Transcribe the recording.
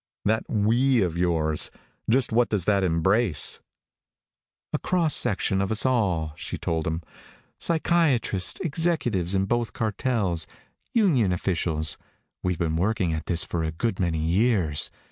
"That 'we' of yours. Just what does that embrace?" "A cross section of us all," she told him. "Psychiatrists, executives in both cartels, union officials. We've been working at this for a good many years.